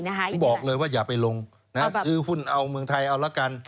บอกเลยว่าอย่าไปลงซื้อหุ้นเอาเมืองไทยเอาละกัน